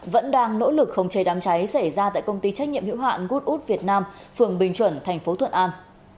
vẫn đang nỗ lực khống cháy đám cháy xảy ra tại công ty trách nhiệm hữu hạn goodwood việt nam phường bình chuẩn thành phố thuận an